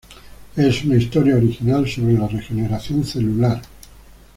Es una historia original sobre la regeneración celular.